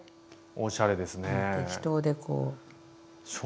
おしゃれですね！